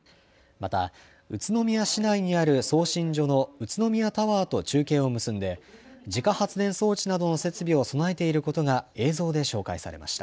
また宇都宮市内にある送信所の宇都宮タワーと中継を結んで自家発電装置などの設備を備えていることが映像で紹介されました。